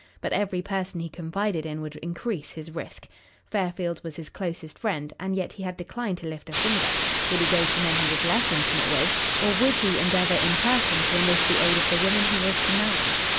But every person he confided in would increase his risk. Fairfield was his closest friend, and yet he had declined to lift a finger. Would he go to men he was less intimate with or would he endeavour in person to enlist the aid of the woman he was to marry?